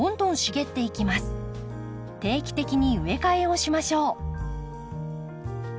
定期的に植え替えをしましょう。